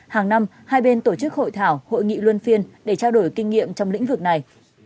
hàng năm hai bên tổ chức hội thảo hội nghị luân phiên để trao đổi kinh nghiệm trong lĩnh vực này